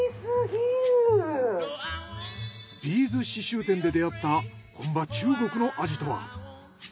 ビーズ刺繍店で出会った本場中国の味とは。